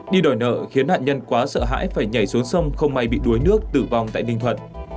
đi đòi nợ khiến nạn nhân quá sợ hãi phải nhảy xuống sông không may bị đuối nước tử vong tại ninh thuận